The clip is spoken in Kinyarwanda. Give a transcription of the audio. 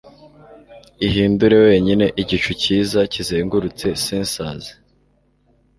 Ihindure wenyine igicu cyiza kizengurutse censers